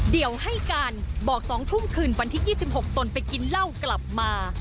เดี๋ยวให้การบอก๒ทุ่มคืนวันที่๒๖ตนไปกินเหล้ากลับมา